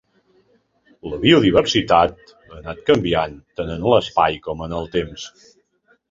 La biodiversitat ha anat canviant tant en l’espai com en el temps.